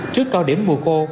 trước cao điểm mùa khô